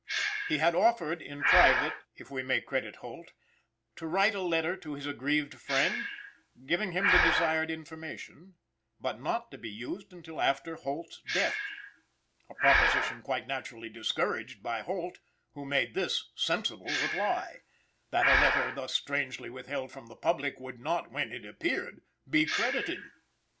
He had offered in private (if we may credit Holt) to write a letter to his aggrieved friend, giving him the desired information, "but not to be used until after Holt's death;" a proposition quite naturally discouraged by Holt, who made this sensible reply: "that a letter thus strangely withheld from the public would not, when it appeared, be credited."